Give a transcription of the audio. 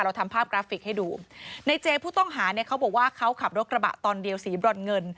ทำภาพกราฟิกให้ดูในเจผู้ต้องหาเนี่ยเขาบอกว่าเขาขับรถกระบะตอนเดียวสีบรอนเงิน